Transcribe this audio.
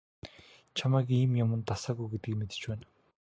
Чамайг ийм юманд дасаагүй гэдгийг мэдэж байна.